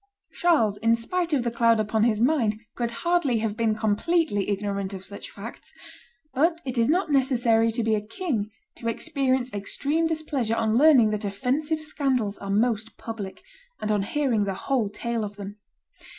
Charles, in spite of the cloud upon his mind, could hardly have been completely ignorant cf such facts; but it is not necessary to be a king to experience extreme displeasure on learning that offensive scandals are almost public, and on hearing the whole tale of them.